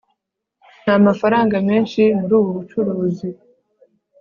nta mafaranga menshi muri ubu bucuruzi